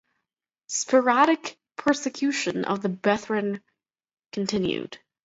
Sporadic persecution of the Brethren continued.